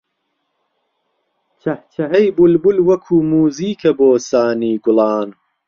چەهچەهەی بولبول وەکوو مووزیکە بۆ سانی گوڵان